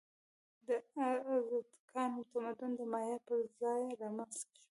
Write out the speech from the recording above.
د ازتکانو تمدن د مایا پر ځای رامنځته شو.